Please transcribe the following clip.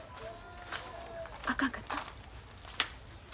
あかんかった？